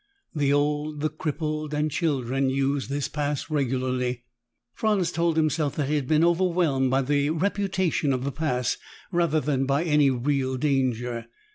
The old, the crippled and children used this Pass regularly. Franz told himself that he had been overwhelmed by the reputation of the Pass, rather than by any real danger.